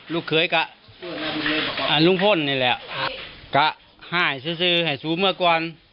ลูกเคยกะอ่านลุงพลนี่แหละกะห้ายซื้อซื้อให้สู้เมื่อกว่า